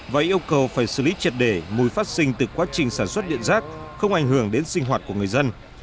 và yêu cầu phải xử lý triệt để mùi phát sinh từ quá trình sản xuất điện rác không ảnh hưởng đến sinh hoạt của người dân